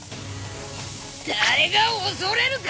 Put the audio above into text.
誰が恐れるか！